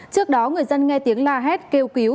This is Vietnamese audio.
trước đó người dân nghe tiếng la hét kêu cứu